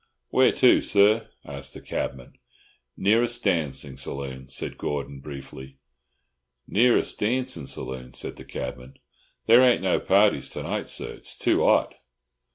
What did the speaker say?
"Where to, sir?" asked the cabman. "Nearest dancing saloon," said Gordon, briefly. "Nearest darncin' saloon," said the cabman. "There ain't no parties to night, sir; it's too 'ot."